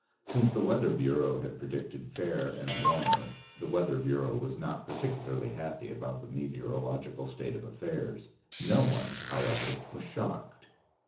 Since the Weather Bureau had predicted fair and warmer, the Weather Bureau was not particularly happy about the meteorological state of affairs. No one, however was shocked.